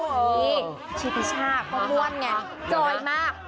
นี่ชีพชาติก็ม่วนไงจอยมาก